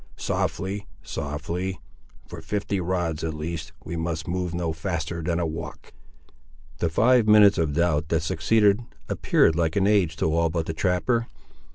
Softly, softly; for fifty rods, at least, we must move no faster than a walk." The five minutes of doubt that succeeded appeared like an age to all but the trapper.